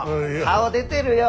顔出てるよ。